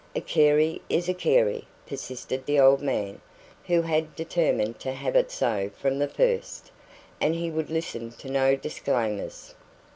"A Carey is a Carey," persisted the old man, who had determined to have it so from the first, and he would listen to no disclaimers.